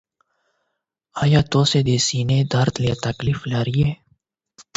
ایا تاسو د سینې درد یا تکلیف لرئ؟